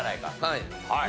はい。